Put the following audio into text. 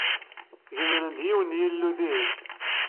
Gemren-d yiwen n yilu dihin.